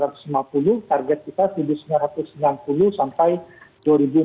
target kita satu sembilan ratus sembilan puluh sampai satu sembilan ratus lima puluh